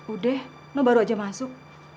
udah no baru aja masuk